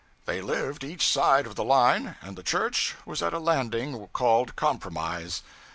They lived each side of the line, and the church was at a landing called Compromise.